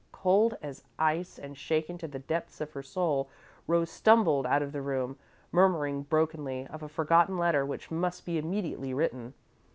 Cold as ice and shaken to the depths of her soul, Rose stumbled out of the room, murmuring brokenly of a forgotten letter which must be immediately written.